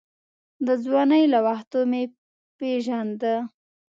د ځوانۍ له وختو مې پېژاند.